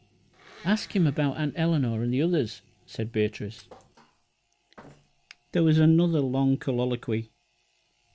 "Ask him about Aunt Eleanor and the others," said Beatrice. There was another long colloquy.